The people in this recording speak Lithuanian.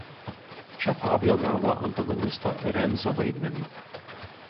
Čia Fabio gavo antagonisto "Renzo" vaidmenį.